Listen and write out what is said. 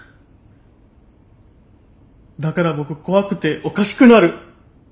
だから僕怖くておかしくなる！